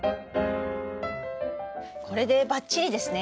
これでバッチリですね！